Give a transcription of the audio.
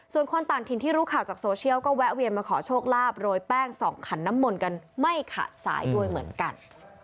ส่วนคนต่างถิ่นที่รู้ข่าวจากโซเชียลก็แวะเวียนมาขอโชคลาภโรยแป้งส่องขันน้ำมนต์กันไม่ขาดสายด้วยเหมือนกัน